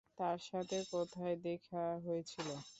তার সাথে কোথায় দেখা হয়েছিল?